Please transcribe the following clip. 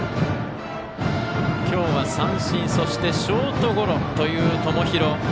今日は三振ショートゴロという友廣。